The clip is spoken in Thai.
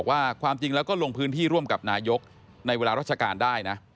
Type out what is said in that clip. ความจริงแล้วก็ลงพื้นที่ร่วมกับนายกในเวลาราชการได้นะ